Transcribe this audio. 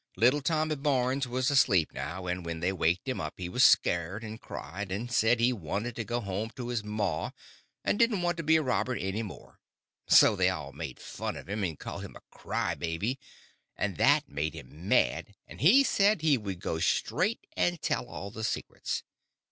Little Tommy Barnes was asleep now, and when they waked him up he was scared, and cried, and said he wanted to go home to his ma, and didn't want to be a robber any more. So they all made fun of him, and called him cry baby, and that made him mad, and he said he would go straight and tell all the secrets.